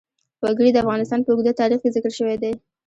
وګړي د افغانستان په اوږده تاریخ کې ذکر شوی دی.